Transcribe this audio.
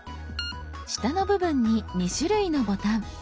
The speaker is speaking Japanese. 下の部分に２種類のボタン。